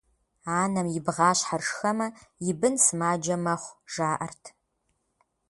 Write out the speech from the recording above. Анэм и бгъащхьэр шхэмэ, и бын сымаджэ мэхъу, жаӏэрт.